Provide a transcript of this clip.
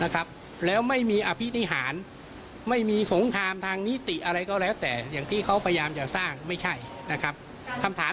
เขาว่าอย่างนั้นนะค่ะ